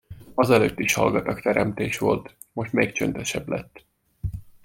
Azelőtt is hallgatag teremtés volt, most még csöndesebb lett.